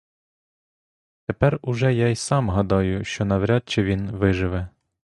Тепер уже я й сам гадаю, що навряд, чи він виживе.